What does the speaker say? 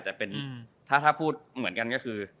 แต่ถ้าพูดเหมือนกันก็คือ